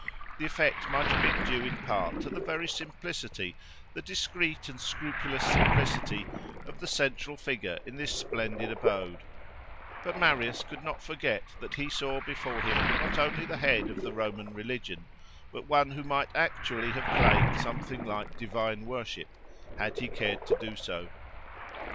The effect might have been due in part to the very simplicity, the discreet and scrupulous simplicity, of the central figure in this splendid abode; but Marius could not forget that he saw before him not only the head of the Roman religion, but one who might actually have claimed something like divine worship, had he cared to do so.